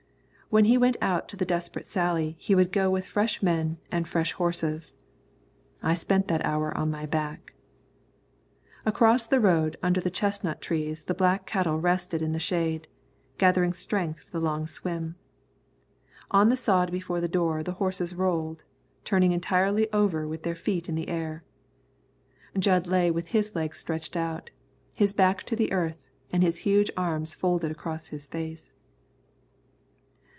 When he went out to the desperate sally he would go with fresh men and fresh horses. I spent that hour on my back. Across the road under the chestnut trees the black cattle rested in the shade, gathering strength for the long swim. On the sod before the door the horses rolled, turning entirely over with their feet in the air. Jud lay with his legs stretched out, his back to the earth, and his huge arms folded across his face.